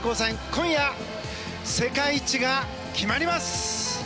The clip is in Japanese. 今夜、世界一が決まります！